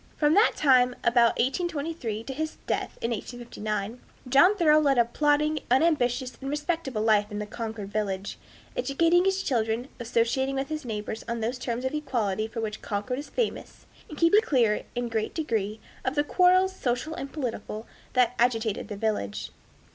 From that time, about 1823, till his death in 1859, John Thoreau led a plodding, unambitious, and respectable life in Concord village, educating his children, associating with his neighbors on those terms of equality for which Concord is famous, and keeping clear, in a great degree, of the quarrels, social and political, that agitated the village.